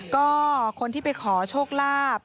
ก็คนที่ไปขอโชคลาภ